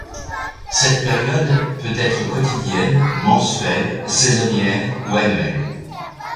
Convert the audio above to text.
Cette période peut être quotidienne, mensuelle, saisonnière ou annuelle.